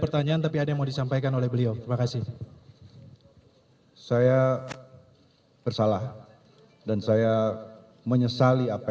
pertanyaan tapi ada yang mau disampaikan oleh beliau terima kasih saya bersalah dan saya menyesali apa